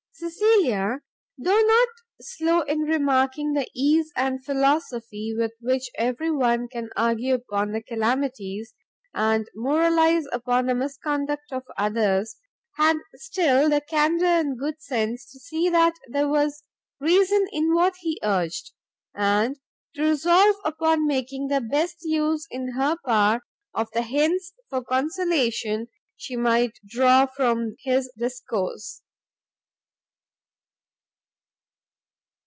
Cecilia, though not slow in remarking the ease and philosophy with which every one can argue upon the calamities, and moralize upon the misconduct of others, had still the candour and good sense to see that there was reason in what he urged, and to resolve upon making the best use in her power of the hints for consolation she might draw from his discourse.